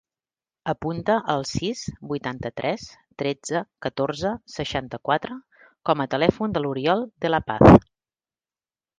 Apunta el sis, vuitanta-tres, tretze, catorze, seixanta-quatre com a telèfon de l'Oriol De La Paz.